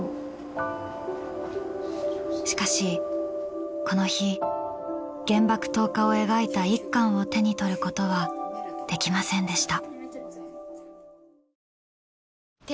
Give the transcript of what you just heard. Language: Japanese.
しかしこの日原爆投下を描いた１巻を手に取ることはできませんでした。